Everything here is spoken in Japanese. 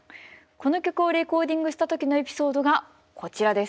この曲をレコーディングした時のエピソードがこちらです。